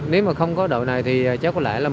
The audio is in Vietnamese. nếu mà không có đội này thì chắc có lẽ là